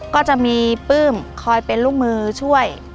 ก็จะมีปลื้มคอยเป็นลูกมือช่วย